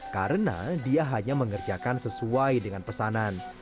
karena dia hanya mengerjakan sesuai dengan pesanan